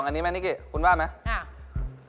นี่มานิกุิ่นคุณว่าไหม